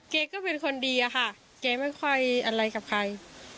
แกก็เป็นคนดีอะค่ะแกไม่ค่อยอะไรกับใคร